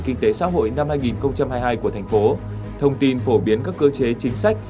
kinh tế xã hội năm hai nghìn hai mươi hai của thành phố thông tin phổ biến các cơ chế chính sách